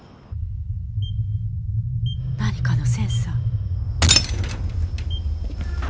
何かのセンサー。